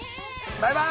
バイバイ。